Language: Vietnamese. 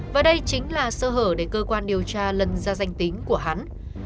và đây chính là sơ hở để cơ quan điều tra lần ra danh tính của hắn